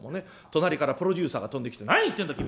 隣からプロデューサーが飛んできて「何言ってんだ君！